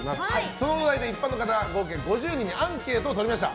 そのお題で一般の方合計５０人にアンケートをとりました。